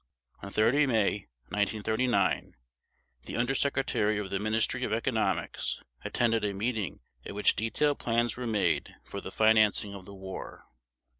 On 30 May 1939 the Under Secretary of the Ministry of Economics attended a meeting at which detailed plans were made for the financing of the war.